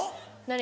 何？